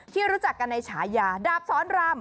ที่รู้จักกันในฉายาดาบสอนราม